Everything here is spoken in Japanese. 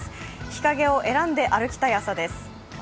日陰を選んで歩きたい朝です。